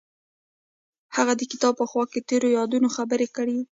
هغوی د کتاب په خوا کې تیرو یادونو خبرې کړې.